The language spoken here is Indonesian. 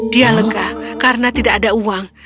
dia lenggah karena tidak ada uang